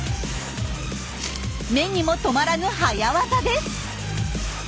目にも留まらぬ早業です。